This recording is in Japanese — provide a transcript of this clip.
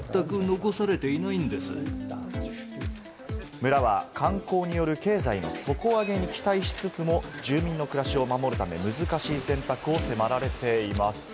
村は観光による経済の底上げに期待しつつも、住民の暮らしを守るため難しい選択を迫られています。